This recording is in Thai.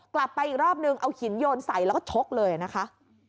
กลับไปอีกรอบนึงเอาหินโยนใส่แล้วก็ชกเลยนะคะ